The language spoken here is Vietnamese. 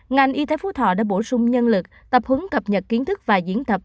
ngành y tế phú thọ đã bổ sung nhân lực tập hướng cập nhật kiến thức và diễn tập